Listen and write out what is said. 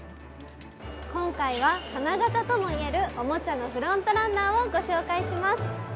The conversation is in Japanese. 今回は花形ともいえるおもちゃのフロントランナーをご紹介します。